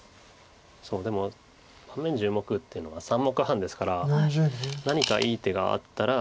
でも盤面１０目っていうのは３目半ですから何かいい手があったら。